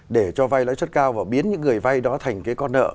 để cho vay lãi suất cao và biến những người vay đó thành con nợ